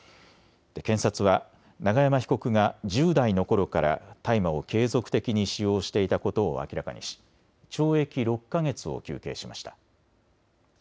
検察は永山被告が１０代のころから大麻を継続的に使用していたことを明らかにし懲役６か月を求刑しました。